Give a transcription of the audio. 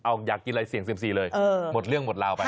เอาอยากกินอะไรเสี่ยงเซียมซีเลยหมดเรื่องหมดลาวไป